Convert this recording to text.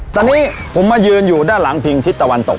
ตอนนี้ผมมายืนอยู่ด้านหลังพิงทิศตะวันตก